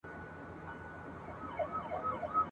د کښتۍ له منځه پورته واویلا وه !.